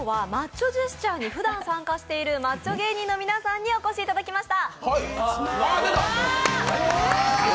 今日はマッチョジェスチャーにふだん参加しているマッチョ芸人の皆様にお越しいただきました。